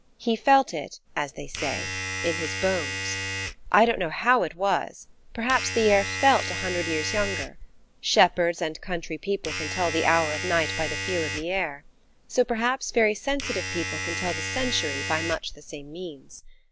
He felt it, as they say, in his bones. I don't know how it was, perhaps the air felt a hundred years younger. Shepherds and country people can tell the hour of night by the feel of the air. So perhaps very sensitive people can tell the century by much the same means.